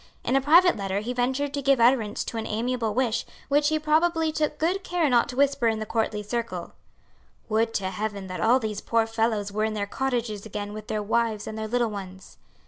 In a private letter he ventured to give utterance to an amiable wish which he probably took good care not to whisper in the courtly circle: "Would to heaven that all these poor fellows were in their cottages again with their wives and their little ones!"